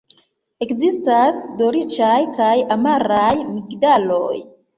Ekzistas dolĉaj kaj amaraj migdaloj.